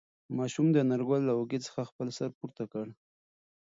ماشوم د انارګل له اوږې څخه خپل سر پورته کړ.